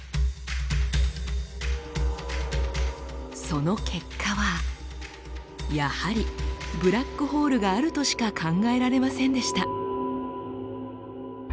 その結果はやはりブラックホールがあるとしか考えられませんでした。